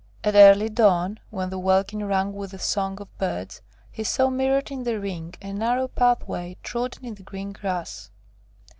At early dawn, when the welkin rang with the song of birds, he saw mirrored in the ring a narrow pathway trodden in the green grass.